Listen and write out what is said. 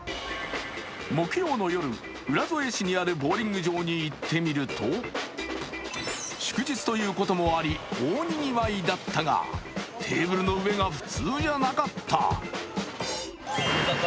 木曜の夜、浦添市にあるボウリング場に行ってみると祝日ということもあり大にぎわいだったがテーブルの上が普通じゃなかった。